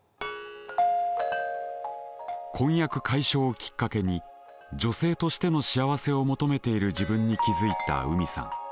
婚約解消をきっかけに女性としての幸せを求めている自分に気付いた海さん。